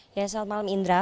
selamat malam indra